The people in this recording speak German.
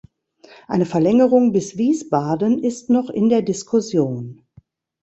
Eine Verlängerung bis Wiesbaden ist noch in der Diskussion.